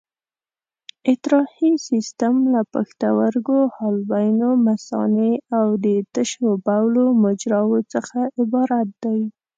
اطراحي سیستم له پښتورګو، حالبینو، مثانې او د تشو بولو مجراوو څخه عبارت دی.